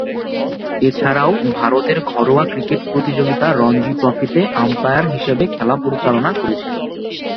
এছাড়াও, ভারতের ঘরোয়া ক্রিকেট প্রতিযোগিতা রঞ্জী ট্রফিতে আম্পায়ার হিসেবে খেলা পরিচালনা করেছেন।